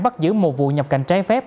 bắt giữ một vụ nhập cảnh trái phép